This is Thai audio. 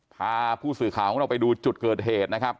พาผู้สื่อข่าวของเราไปดูจุดเกิดเหตุนะครับ